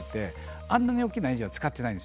あんなに大きなエンジンは使ってないんですよ。